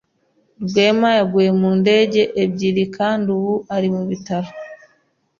Rwema yaguye mu ndege ebyiri kandi ubu ari mu bitaro.